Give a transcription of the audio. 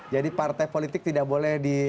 jadi partai politik tidak boleh berubah